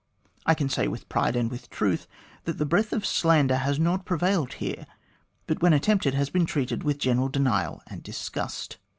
I can say with pride and with truth that the breath of slander has not prevailed here, but when attempted has been treated with general denial and disgust.